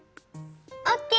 オッケー！